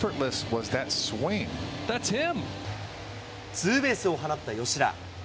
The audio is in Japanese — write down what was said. ツーベースを放った吉田。